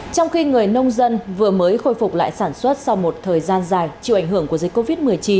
trong khi người nông dân vừa mới khôi phục lại sản xuất sau một thời gian dài chịu ảnh hưởng của dịch covid một mươi chín